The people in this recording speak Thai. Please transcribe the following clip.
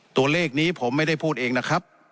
ตัวเลขนี้ผมไม่ได้พูดเองนะครับ